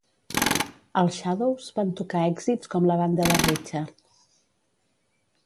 Els Shadows van tocar èxits com la banda de Richard.